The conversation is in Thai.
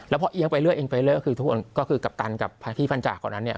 แล้วพอเอียงไปเรือเองไปเรือก็คือกัปตันกับที่ฟังจากก่อนนั้นเนี่ย